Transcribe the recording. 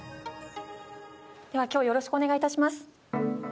では今日はよろしくお願いいたします。